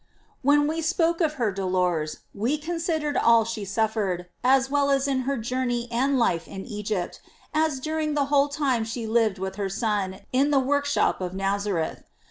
When we spoke of her dolors, we considered all she suffered, as well in her journey and life in Egypt, as during the whole time she lived with her Son in the workshop of Nazareth.